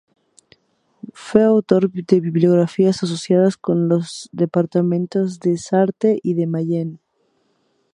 Fue autor de bibliografías asociadas con los departamentos de Sarthe y de Mayenne.